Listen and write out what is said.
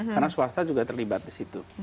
karena swasta juga terlibat di situ